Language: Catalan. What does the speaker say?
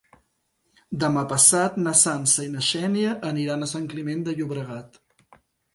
Demà passat na Sança i na Xènia aniran a Sant Climent de Llobregat.